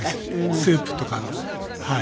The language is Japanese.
スープとかはい。